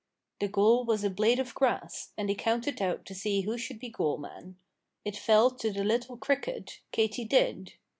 The goal was a blade of grass, and they counted out to see who should be goal man. It fell to the little cricket, Katy did.